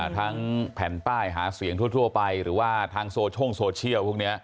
ทั้งแผ่นป้ายหาเสียงทั่วไปหรือว่าทางโซเชียล่งโซเชียลพวกนี้